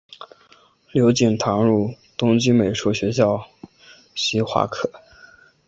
刘锦堂入东京美术学校西画科